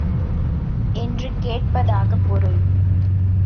என்று கேட்பதாகப் பொருள்.